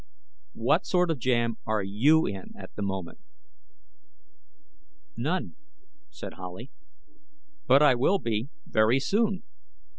What sort of jam are you in at the moment?" "None," said Howley. "But I will be very soon.